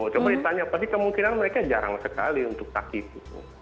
coba ditanya tapi kemungkinan mereka jarang sekali untuk takif itu